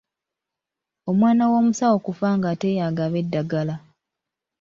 Omwana w’omusawo okufa ng’ate y’agaba eddagala.